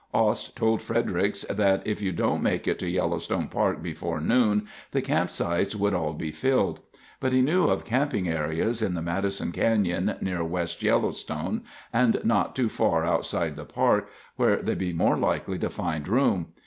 Ost told Fredericks that if you didn't make it to Yellowstone Park before noon, the campsites would all be filled. But, he knew of camping areas in the Madison Canyon, near West Yellowstone, and not too far outside the park where they'd be more likely to find room.